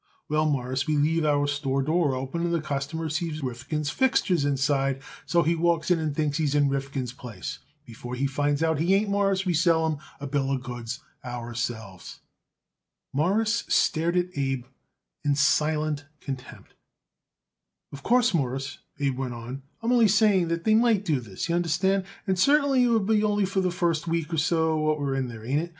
Well, Mawruss, we leave our store door open, and the customer sees Rifkin's fixtures inside, so he walks in and thinks he's in Rifkin's place. Before he finds out he ain't, Mawruss, we sell him a bill of goods ourselves." Morris stared at Abe in silent contempt. "Of course, Mawruss," Abe went on, "I'm only saying they might do this, y'understand, and certainly it would only be for the first week or so what we are there, ain't it?